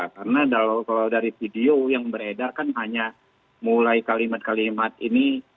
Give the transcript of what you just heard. karena kalau dari video yang beredar kan hanya mulai kalimat kalimat ini